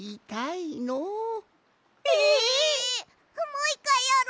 もういっかいやろ！